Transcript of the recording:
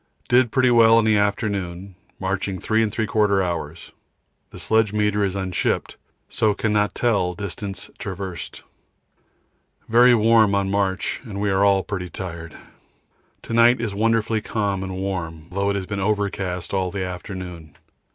Did pretty well in the afternoon, marching 3 3/4 hours; the sledge meter is unshipped, so cannot tell distance traversed. Very warm on march and we are all pretty tired. To night it is wonderfully calm and warm, though it has been overcast all the afternoon.